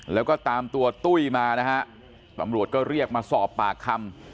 แล้วก็ตามตัวตุ้ยมานะฮะตำรวจก็เรียกมาสอบปากคำ